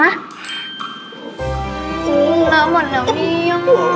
มันเหลือหมดแล้วเนี่ย